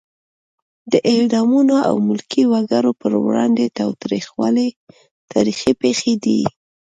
د اعدامونو او ملکي وګړو پر وړاندې تاوتریخوالی تاریخي پېښې دي.